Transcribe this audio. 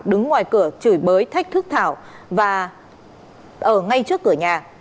đứng ngoài cửa chửi bới thách thức thảo và ở ngay trước cửa nhà